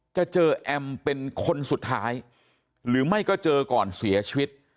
จะเจอแอมเป็นคนสุดท้ายหรือไม่ก็เจอก่อนเสียชีวิต